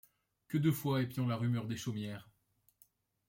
Que de fois épiant la rumeur des chaumières